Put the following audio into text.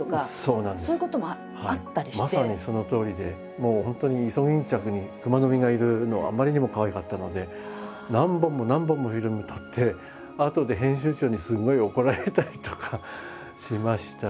もう本当にイソギンチャクにクマノミがいるのがあまりにもかわいかったので何本も何本もフィルム撮ってあとで編集長にすごい怒られたりとかしましたけど。